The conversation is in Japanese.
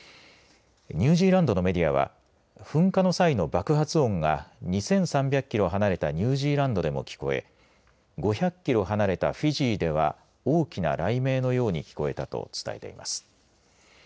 ニュージーランドのメディアは噴火の際の爆発音が２３００キロ離れたニュージーランドでも聞こえ５００キロ離れたフィジーでは大きな雷鳴のように聞こえたと伝えています。